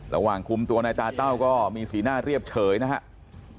ระหว่างคุมตัวนายตาเต้าก็มีสีหน้าเรียบเฉยนะครับ